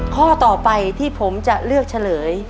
ข้อต่อไปที่ผมจะเลือกเฉลย